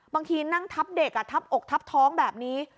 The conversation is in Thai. บางทีนั่งทับเด็กทับอกทับท้องแบบนี้